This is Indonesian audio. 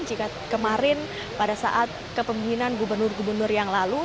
jika kemarin pada saat kepemimpinan gubernur gubernur yang lalu